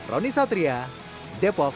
roni satria depok